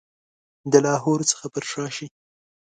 د لاهور څخه پر شا شي.